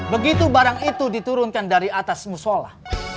begitu barang itu diturunkan dari atas musola